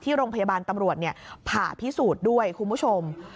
โรงพยาบาลตำรวจผ่าพิสูจน์ด้วยคุณผู้ชม